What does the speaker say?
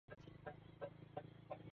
Wala tena singewaza, kuhusu wali na sima,